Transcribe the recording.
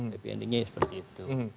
happy endingnya seperti itu